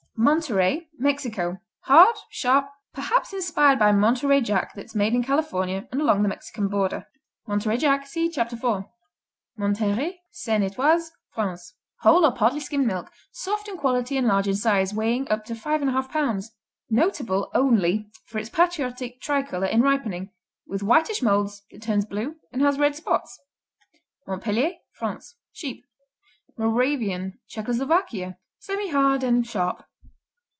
Monterey Mexico Hard; sharp; perhaps inspired by Montery Jack that's made in California and along the Mexican border. Monterey Jack see Chapter 4. Monthéry Seine et Oise, France Whole or partly skimmed milk; soft in quality and large in size, weighing up to 5 1/2 pounds. Notable only for its patriotic tri color in ripening, with whitish mold that turns blue and has red spots. Montpellier France Sheep. Moravian Czechoslovakia Semihard and sharp.